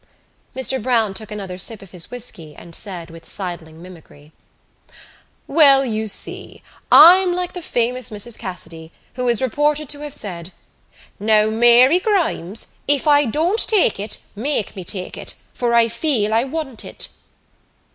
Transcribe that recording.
Mr Browne took another sip of his whisky and said, with sidling mimicry: "Well, you see, I'm like the famous Mrs Cassidy, who is reported to have said: 'Now, Mary Grimes, if I don't take it, make me take it, for I feel I want it.